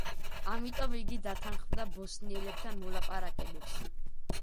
ამიტომ იგი დათანხმდა ბოსნიელებთან მოლაპარაკებებს.